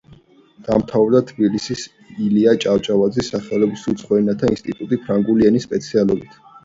დაამთავრა თბილისის ილია ჭავჭავაძის სახელობის უცხო ენათა ინსტიტუტი ფრანგული ენის სპეციალობით.